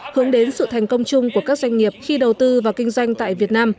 hướng đến sự thành công chung của các doanh nghiệp khi đầu tư và kinh doanh tại việt nam